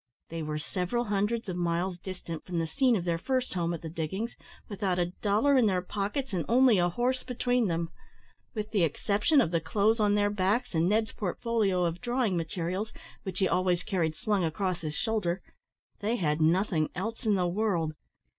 They were several hundreds of miles distant from the scene of their first home at the diggings, without a dollar in their pockets, and only a horse between them. With the exception of the clothes on their backs, and Ned's portfolio of drawing materials, which he always carried slung across his shoulder, they had nothing else in the world.